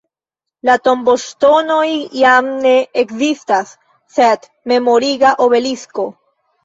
La tomboŝtonoj jam ne ekzistas sed memoriga obelisko.